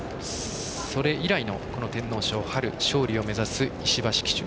それ以来の天皇賞勝利を目指す石橋騎手。